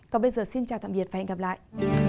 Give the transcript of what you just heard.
còn bây giờ xin chào tạm biệt và hẹn gặp lại